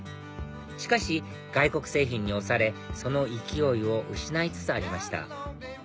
しかし外国製品に押されその勢いを失いつつありました